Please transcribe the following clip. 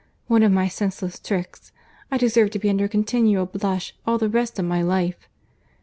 —One of my senseless tricks!—I deserve to be under a continual blush all the rest of my life.